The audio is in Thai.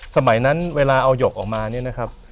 สมัยนั้นเวลาเอาหยกออกมาเนี่ยนะครับ